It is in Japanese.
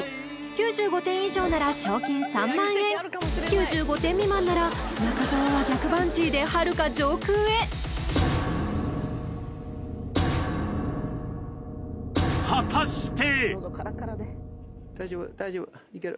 ９５点以上なら賞金３万円９５点未満なら中澤は逆バンジーではるか上空へ果たして？